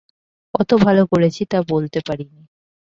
কত ভালো করেছি তা বলতে পারি নি।